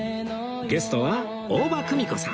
ゲストは大場久美子さん